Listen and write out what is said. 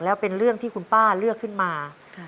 แล้วเป็นเรื่องที่คุณป้าเลือกขึ้นมา